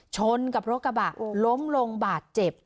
ชนกับรถกระบะล้มลงบาดเจ็บ